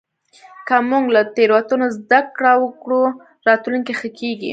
که موږ له تېروتنو زدهکړه وکړو، راتلونکی ښه کېږي.